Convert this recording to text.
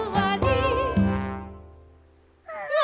うわ！